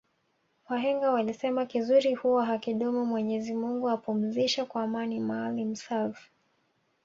Wahenga walisema kizuri huwa hakidumu Mwenyezi Mungu ampumzishe kwa amani maalim self